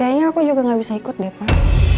kayaknya aku juga gak bisa ikut deh pak